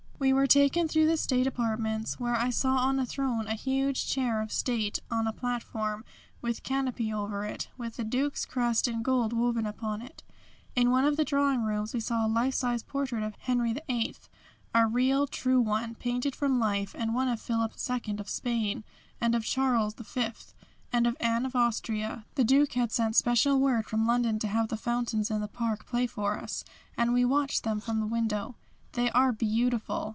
We were taken through the state apartments where I saw on a throne a huge chair of state on a platform, with canopy over it, with the Duke's crest in gold woven upon it. In one of the drawing rooms we saw a life size portrait of Henry VIII., a real true one painted from life, and one of Philip II. of Spain, and of Charles V., and of Anne of Austria. The Duke had sent special word from London to have the fountains in the park play for us, and we watched them from the window. They are beautiful.